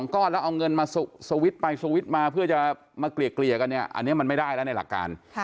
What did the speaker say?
ก็ไม่ได้แล้วในหลักการ